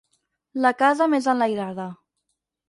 La casa més enlairada.